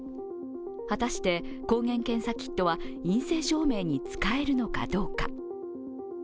果たして抗原検査キットは陰性証明に使えるのかどうか。